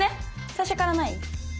最初からない？